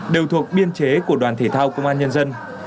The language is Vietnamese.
đều thuộc biên chế của đoàn thể thao công an nhân dân